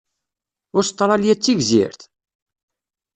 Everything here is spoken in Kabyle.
Ustṛalya d tigzirt?